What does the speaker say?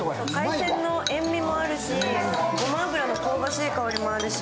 海鮮の塩みもあるしごま油の香ばしい香りもあるし。